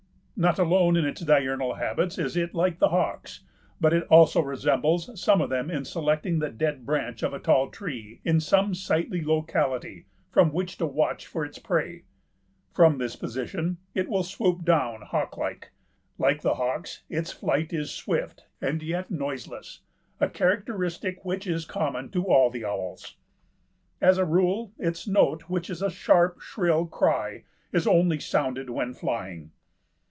Not alone in its diurnal habits is it like the hawks, but it also resembles some of them in selecting the dead branch of a tall tree in some sightly locality from which to watch for its prey. From this position it will swoop down hawk like. Like the hawks its flight is swift and yet noiseless, a characteristic which is common to all the owls. As a rule its note, which is a sharp, shrill cry, is only sounded when flying.